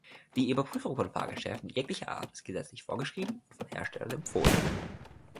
Die Überprüfung von Fahrgeschäften jeglicher Art ist gesetzlich vorgeschrieben und von Herstellern empfohlen.